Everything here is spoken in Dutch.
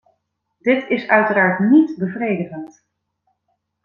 Dit is uiteraard niet bevredigend.